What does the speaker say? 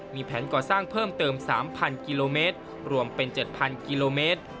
มีแผนก่อสร้างเพิ่มเติม๓๐๐กิโลเมตรรวมเป็น๗๐๐กิโลเมตร